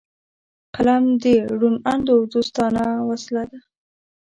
قلم د روڼ اندو دوستانه وسله ده